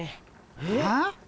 えっ？